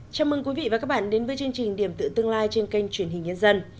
chào mừng quý vị và các bạn đến với chương trình điểm tựa tương lai trên kênh truyền hình nhân dân